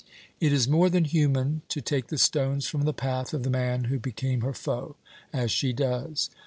It is more than human to take the stones from the path of the man who became her foe, as she does.